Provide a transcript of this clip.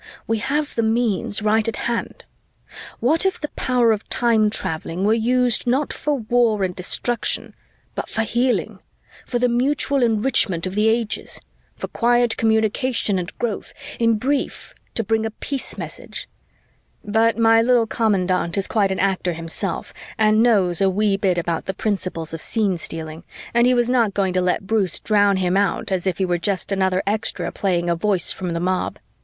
We have the means right at hand. What if the power of time traveling were used not for war and destruction, but for healing, for the mutual enrichment of the ages, for quiet communication and growth, in brief, to bring a peace message " But my little commandant is quite an actor himself and knows a wee bit about the principles of scene stealing, and he was not going to let Bruce drown him out as if he were just another extra playing a Voice from the Mob.